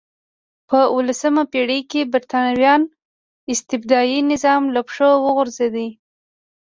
په اولسمه پېړۍ کې برېټانیا استبدادي نظام له پښو وغورځېد.